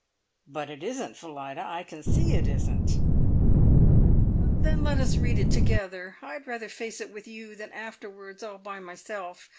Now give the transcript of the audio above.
"But it isn't, Phillida. I can see it isn't!" "Then let us read it together. I'd rather face it with you than afterwards all by myself.